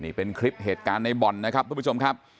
นี่เป็นคลิปเหตุการณ์ในบ่อนนะครับทุกผู้ชมครับ